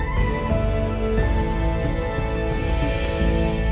โปรดติดตามตอนต่อไป